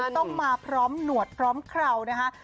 ต้องมาพร้อมหนวดพร้อมเคราวนะคะ